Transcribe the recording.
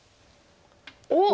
おっ！